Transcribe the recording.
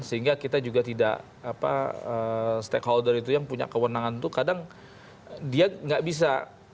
sehingga kita juga tidak stakeholder itu yang punya kewenangan itu kadang dia nggak bisa